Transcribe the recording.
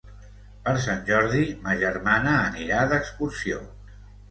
Per Sant Jordi ma germana anirà d'excursió.